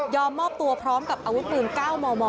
ยอมมอบตัวพร้อมกับอาวุธปืนเก้ามม